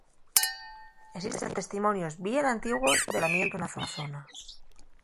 Esisten testimonios bien antiguos del poblamientu na zona.